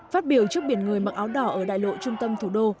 phát biểu trước biển người mặc áo đỏ ở đại lộ trung tâm thủ đô